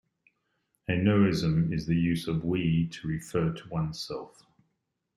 A nosism is the use of 'we' to refer to oneself.